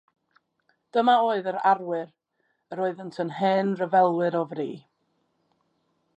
Dyma oedd yr arwyr yr oeddent yn hen ryfelwyr o fri.